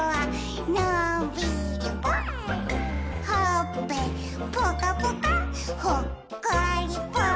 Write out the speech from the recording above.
「ほっぺぽかぽかほっこりぽっ」